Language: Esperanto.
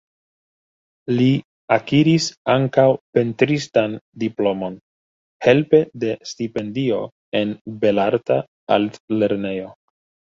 Li akiris ankaŭ pentristan diplomon helpe de stipendio en Belarta Altlernejo.